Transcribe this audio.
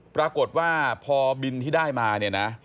ปรากฏว่าพอบินที่ได้มาเนี่ยนะ